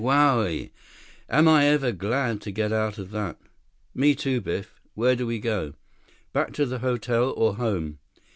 "Wowie! Am I ever glad to get out of that." "Me, too, Biff. Where do we go? Back to the hotel, or home?"